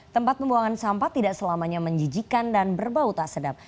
tempat pembuangan sampah tidak selamanya menjijikan dan berbau tak sedap